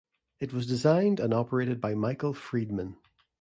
It was designed and operated by Michael Freedman.